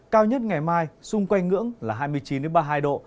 cao nhất ngày mai xung quanh ngưỡng là hai mươi chín ba mươi hai độ